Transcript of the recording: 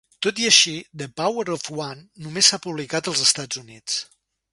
Tot i així, "The Power of One" només s'ha publicat als Estats Units.